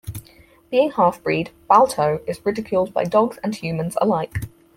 Being half-breed, Balto is ridiculed by dogs and humans alike.